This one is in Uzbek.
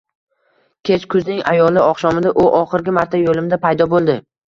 Kech kuzning ayozli oqshomida u oxirgi marta yo`limda paydo bo`ldi